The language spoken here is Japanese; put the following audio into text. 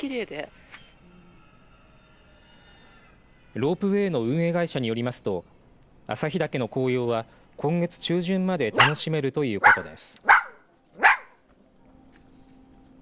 ロープウエーの運営会社によりますと旭岳の紅葉は今月中旬まで楽しめるということです。